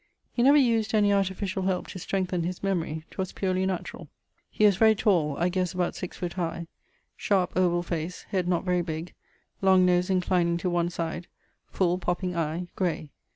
He never used any artificiall help to strengthen his memorie: 'twas purely naturall. He was very tall, I guesse about 6 foot high; sharp ovall face; head not very big; long nose inclining to one side; full popping eie (gray).